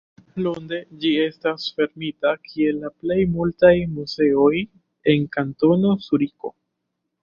Lunde ĝi estas fermita kiel la plej multaj muzeoj en Kantono Zuriko.